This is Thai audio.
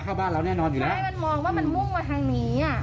เข้าบ้านเราแน่นอนอยู่แล้วไม่มันมองว่ามันมุ่งมาทางนี้อ่ะ